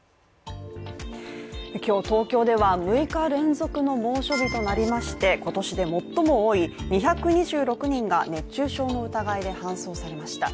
今日、東京では６日連続の猛暑日となりまして今年で最も多い２２６人が熱中症の疑いで搬送されました。